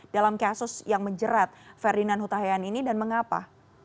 dalam kasus yang menjerat ferdinand hutahian ini dan mengapa